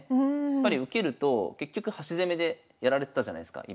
やっぱり受けると結局端攻めでやられてたじゃないすか